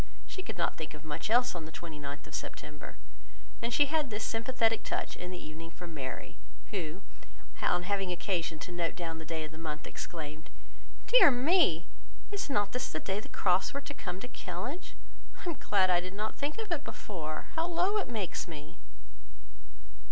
She could not think of much else on the 29th of September; and she had this sympathetic touch in the evening from Mary, who, on having occasion to note down the day of the month, exclaimed, "Dear me, is not this the day the Crofts were to come to Kellynch? I am glad I did not think of it before. How low it makes me!"